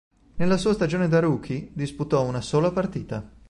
Nella sua stagione da rookie disputò una sola partita.